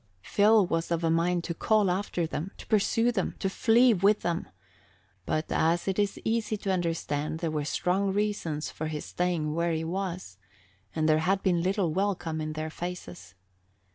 Phil was of a mind to call after them, to pursue them, to flee with them; but as it is easy to understand, there were strong reasons for his staying where he was, and there had been little welcome in their faces.